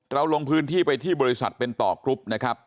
ลงพื้นที่ไปที่บริษัทเป็นต่อกรุ๊ปนะครับ